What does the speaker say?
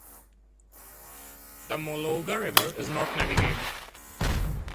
The Mologa River is not navigable.